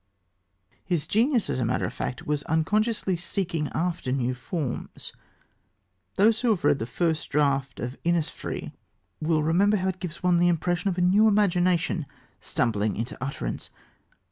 His genius, as a matter of fact, was unconsciously seeking after new forms. Those who have read the first draft of Innisfree will remember how it gives one the impression of a new imagination stumbling into utterance.